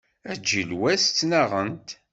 Aǧilewwas ttnaɣent.